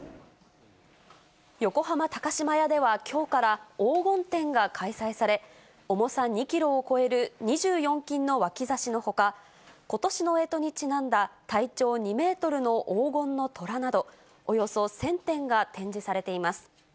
横浜高島屋ではきょうから黄金展が開催され、重さ２キロを超える２４金の脇差しのほか、ことしのえとにちなんだ体長２メートルの黄金のトラなど、およそ１０００点が展示されています。